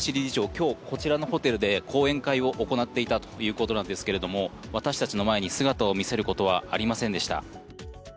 今日、こちらのホテルで講演会を行っていたということですけれども、私たちの前に姿を見せることはありませんでした。